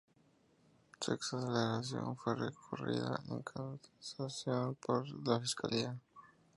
Su excarcelación fue recurrida en casación por la fiscalía.